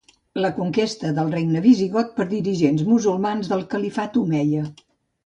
La conquesta del regne visigot per dirigents musulmans del Califat omeia.